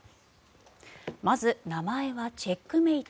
まず、名前はチェックメイト。